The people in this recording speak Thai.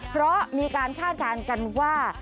เพราะมีการคาดการณ์กันว่า